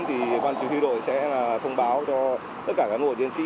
thì quan chức thi đổi sẽ thông báo cho tất cả cán bộ chiến sĩ